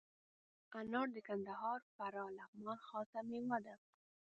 انار د کندهار، فراه، لغمان خاص میوه ده.